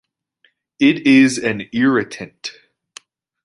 It is an irritant.